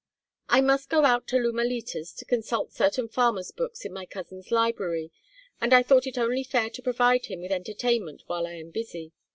"I must go out to Lumalitas to consult certain farmer's books in my cousin's library, and I thought it only fair to provide him with entertainment while I am busy.